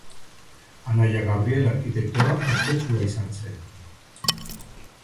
Anaia Gabriel arkitektoa ospetsua izan zen.